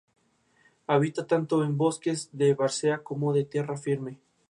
La interpreta Logan Lerman como Percy Jackson.